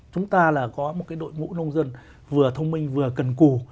chúng ta là có một cái đội ngũ nông dân vừa thông minh vừa cần cù